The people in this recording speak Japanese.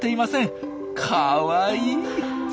かわいい！